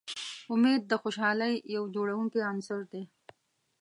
امید د خوشحالۍ یو جوړوونکی عنصر دی.